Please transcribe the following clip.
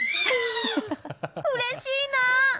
うれしいな！